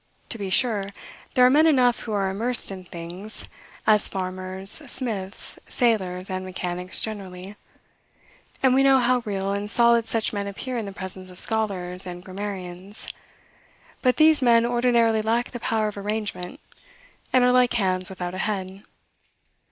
To be sure, there are men enough who are immersed in things, as farmers, smiths, sailors, and mechanics generally; and we know how real and solid such men appear in the presence of scholars and grammarians; but these men ordinarily lack the power of arrangement, and are like hands without a head.